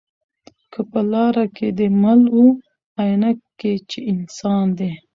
که په لاره کی دي مل وو آیینه کي چي انسان دی